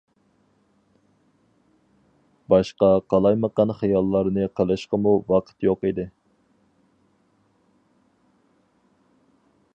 باشقا قالايمىقان خىياللارنى قىلىشقىمۇ ۋاقىت يوق ئىدى.